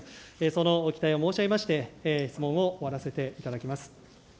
その期待を申し上げまして、質問を終わらせていただきます。